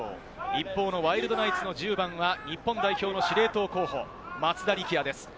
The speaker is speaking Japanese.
一方、ワイルドナイツの１０番は日本代表の司令塔候補・松田力也です。